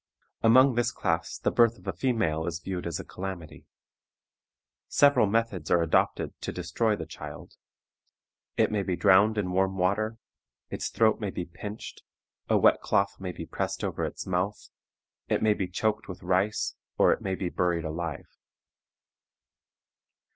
Among this class the birth of a female is viewed as a calamity. Several methods are adopted to destroy the child. It may be drowned in warm water, its throat may be pinched, a wet cloth may be pressed over its mouth, it may be choked with rice, or it may be buried alive.